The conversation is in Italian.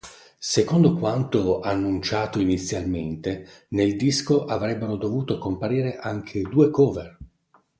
Secondo quanto annunciato inizialmente, nel disco avrebbero dovuto comparire anche due cover.